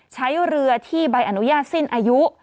ใช้เรือที่ใบอนุญาตสิ้นอายุ